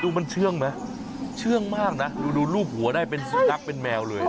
มันเชื่องไหมเชื่องมากนะดูรูปหัวได้เป็นสุนัขเป็นแมวเลย